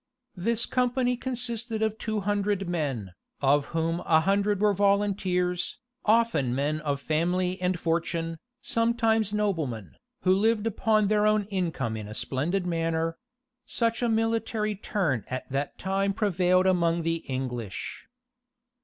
This company consisted of two hundred men, of whom a hundred were volunteers, often men of family and fortune, sometimes noblemen, who lived upon their own income in a splendid manner: such a military turn at that time prevailed among the English.